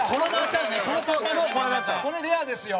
これレアですよ。